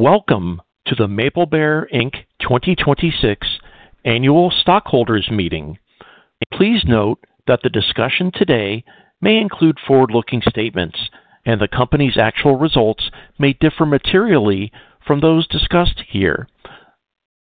Welcome to the Maplebear Inc. 2026 annual stockholders meeting. Please note that the discussion today may include forward-looking statements, and the company's actual results may differ materially from those discussed here.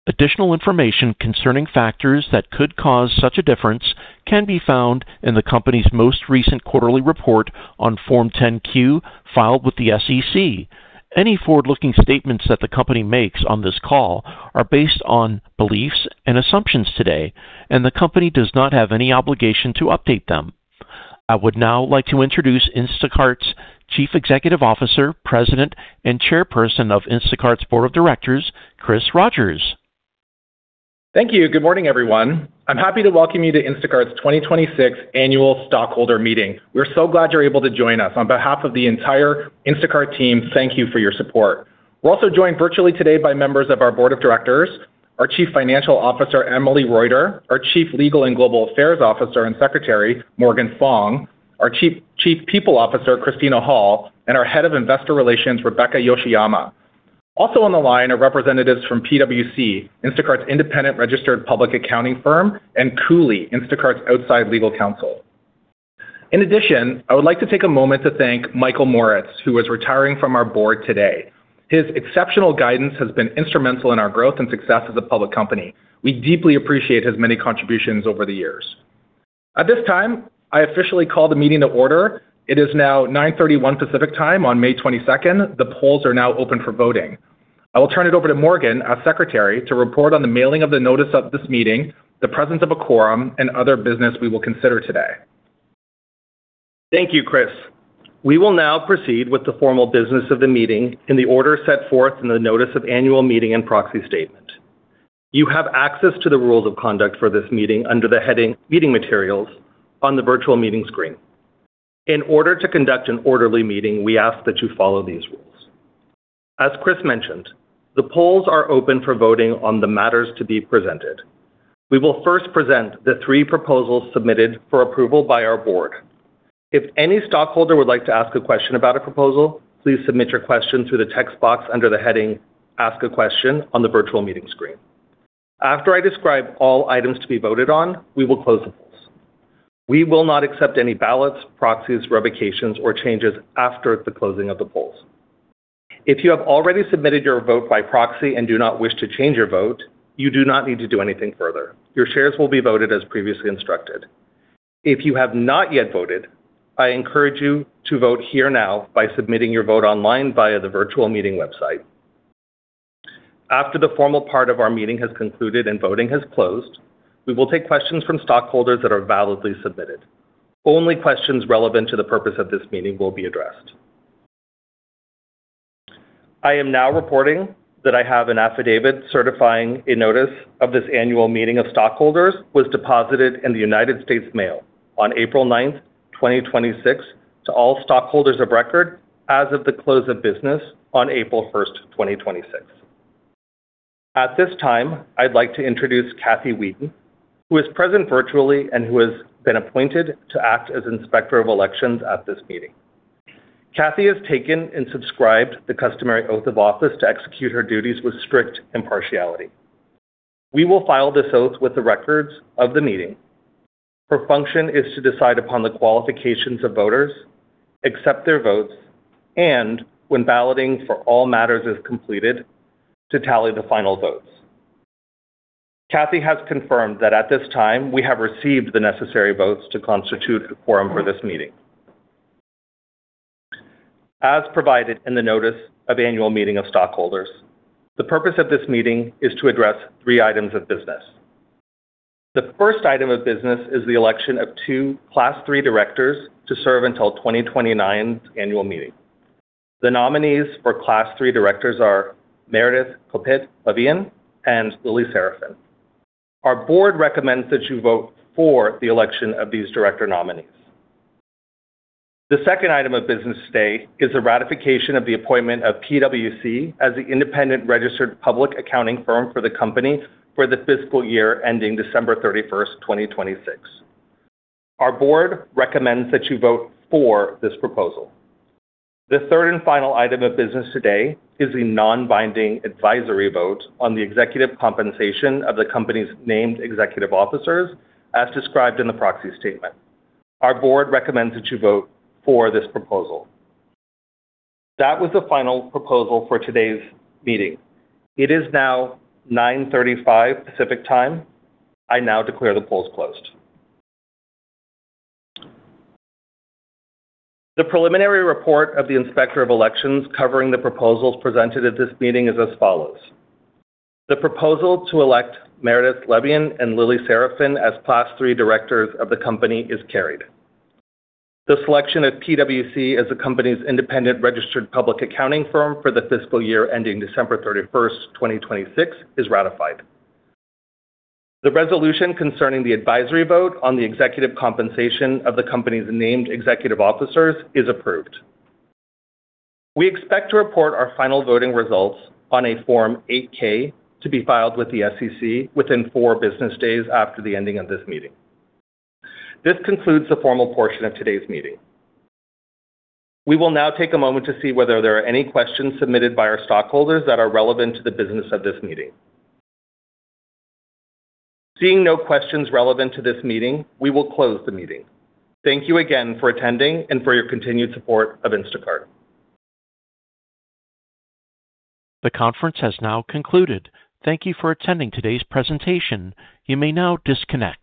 Additional information concerning factors that could cause such a difference can be found in the company's most recent quarterly report on Form 10-Q filed with the SEC. Any forward-looking statements that the company makes on this call are based on beliefs and assumptions today, and the company does not have any obligation to update them. I would now like to introduce Instacart's Chief Executive Officer, President, and Chairperson of Instacart's Board of Directors, Chris Rogers. Thank you. Good morning, everyone. I'm happy to welcome you to Instacart's 2026 annual stockholder meeting. We're so glad you're able to join us. On behalf of the entire Instacart team, thank you for your support. We're also joined virtually today by members of our board of directors, our Chief Financial Officer, Emily Reuter, our Chief Legal and Global Affairs Officer and Secretary, Morgan Fong, our Chief People Officer, Christina Hall, and our Head of Investor Relations, Rebecca Yoshiyama. Also on the line are representatives from PwC, Instacart's independent registered public accounting firm, and Cooley, Instacart's outside legal counsel. In addition, I would like to take a moment to thank Michael Moritz, who is retiring from our board today. His exceptional guidance has been instrumental in our growth and success as a public company. We deeply appreciate his many contributions over the years. At this time, I officially call the meeting to order. It is now 9:31 P.M. Pacific Time on May 22nd. The polls are now open for voting. I will turn it over to Morgan, our secretary, to report on the mailing of the notice of this meeting, the presence of a quorum, and other business we will consider today. Thank you, Chris. We will now proceed with the formal business of the meeting in the order set forth in the notice of annual meeting and proxy statement. You have access to the rules of conduct for this meeting under the heading Meeting Materials on the virtual meeting screen. In order to conduct an orderly meeting, we ask that you follow these rules. As Chris mentioned, the polls are open for voting on the matters to be presented. We will first present the three proposals submitted for approval by our board. If any stockholder would like to ask a question about a proposal, please submit your question through the text box under the heading Ask a Question on the virtual meeting screen. After I describe all items to be voted on, we will close the polls. We will not accept any ballots, proxies, revocations, or changes after the closing of the polls. If you have already submitted your vote by proxy and do not wish to change your vote, you do not need to do anything further. Your shares will be voted as previously instructed. If you have not yet voted, I encourage you to vote here now by submitting your vote online via the virtual meeting website. After the formal part of our meeting has concluded and voting has closed, we will take questions from stockholders that are validly submitted. Only questions relevant to the purpose of this meeting will be addressed. I am now reporting that I have an affidavit certifying a notice of this annual meeting of stockholders was deposited in the United States mail on April 9th, 2026, to all stockholders of record as of the close of business on April 1st, 2026. At this time, I'd like to introduce Kathy Wheaton, who is present virtually and who has been appointed to act as Inspector of Elections at this meeting. Kathy has taken and subscribed the customary oath of office to execute her duties with strict impartiality. We will file this oath with the records of the meeting. Her function is to decide upon the qualifications of voters, accept their votes, and when balloting for all matters is completed, to tally the final votes. Kathy has confirmed that at this time, we have received the necessary votes to constitute a quorum for this meeting. As provided in the notice of annual meeting of stockholders, the purpose of this meeting is to address three items of business. The first item of business is the election of two Class III directors to serve until 2029's annual meeting. The nominees for Class III directors are Meredith Kopit Levien and Lily Sarafan. Our board recommends that you vote for the election of these director nominees. The second item of business today is the ratification of the appointment of PricewaterhouseCoopers as the independent registered public accounting firm for the company for the fiscal year ending December 31st, 2026. Our board recommends that you vote for this proposal. The third and final item of business today is a non-binding advisory vote on the executive compensation of the company's named executive officers, as described in the proxy statement. Our board recommends that you vote for this proposal. That was the final proposal for today's meeting. It is now 9:35 A.M Pacific Time. I now declare the polls closed. The preliminary report of the Inspector of Elections covering the proposals presented at this meeting is as follows. The proposal to elect Meredith Levien and Lily Sarafan as Class III directors of the company is carried. The selection of PricewaterhouseCoopers as the company's independent registered public accounting firm for the fiscal year ending December 31st, 2026, is ratified. The resolution concerning the advisory vote on the executive compensation of the company's named executive officers is approved. We expect to report our final voting results on a Form 8-K to be filed with the SEC within four business days after the ending of this meeting. This concludes the formal portion of today's meeting. We will now take a moment to see whether there are any questions submitted by our stockholders that are relevant to the business of this meeting. Seeing no questions relevant to this meeting, we will close the meeting. Thank you again for attending and for your continued support of Instacart. The conference has now concluded. Thank you for attending today's presentation. You may now disconnect.